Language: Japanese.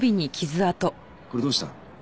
これどうした？